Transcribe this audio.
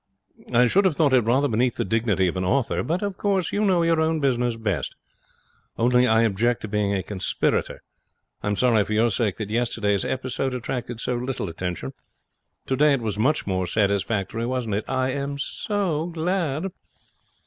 'I should have thought it rather beneath the dignity of an author; but, of course, you know your own business best. Only I object to being a conspirator. I am sorry for your sake that yesterday's episode attracted so little attention. Today it was much more satisfactory, wasn't it? I am so glad.'